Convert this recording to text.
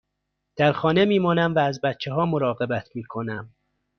در خانه می مانم و از بچه ها مراقبت می کنم.